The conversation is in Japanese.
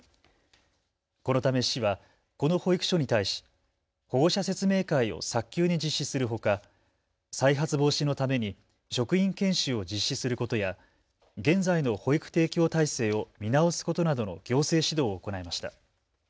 このため市はこの保育所に対し保護者説明会を早急に実施するほか再発防止のために職員研修を実施することや現在の保育提供体制を見直すことなどの行政指導を行いました。